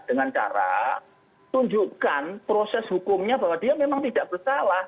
dengan cara tunjukkan proses hukumnya bahwa dia memang tidak bersalah